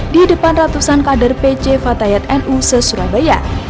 di depan ratusan kader pc fatayat nu se surabaya